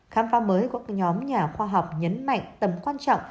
khám phá mới của các nhóm nhà khoa học nhấn mạnh tầm quan trọng